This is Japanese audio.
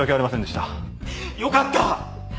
よかった！